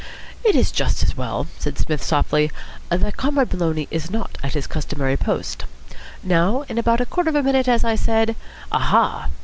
"It is just as well," said Psmith softly, "that Comrade Maloney is not at his customary post. Now, in about a quarter of a minute, as I said Aha!"